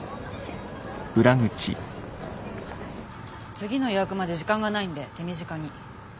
次の予約まで時間ないんで手短に。